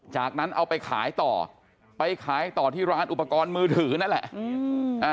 จากนั้นเอาไปขายต่อไปขายต่อที่ร้านอุปกรณ์มือถือนั่นแหละ